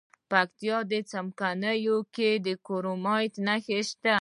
د پکتیا په څمکنیو کې د کرومایټ نښې شته.